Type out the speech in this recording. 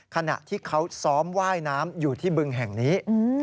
ขณะที่เขาซ้อมว่ายน้ำอยู่ที่บึงแห่งนี้